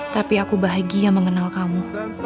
tapi aku bahagia mengenal kamu